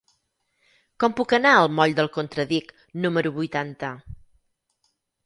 Com puc anar al moll del Contradic número vuitanta?